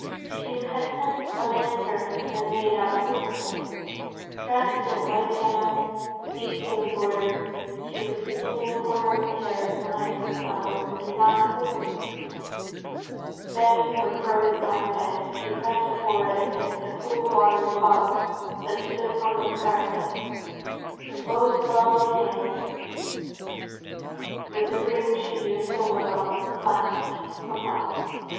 She had sent a manservant and a maid out to look for him. Dressed in a white gown, deeply embroidered, she was sitting in a corner of the terrace behind some flowers, and did not hear him. Bending her curly black head, she pressed her forehead against a cool watering pot that stood on the parapet, and both her lovely hands, with the rings he knew so well, clasped the pot.